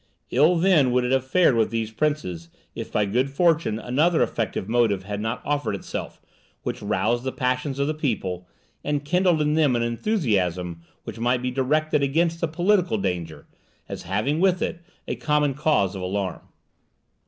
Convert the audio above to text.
Ill then would it have fared with these princes, if by good fortune another effectual motive had not offered itself, which roused the passions of the people, and kindled in them an enthusiasm which might be directed against the political danger, as having with it a common cause of alarm.